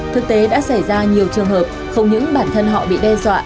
thực tế đã xảy ra nhiều trường hợp không những bản thân họ bị đe dọa